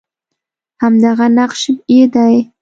همدغه نقش یې دی